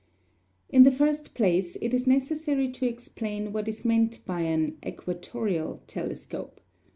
] In the first place, it is necessary to explain what is meant by an "equatorial" telescope.